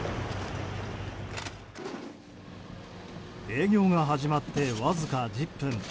営業が始まって、わずか１０分。